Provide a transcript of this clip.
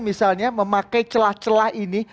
misalnya memakai celah celah ini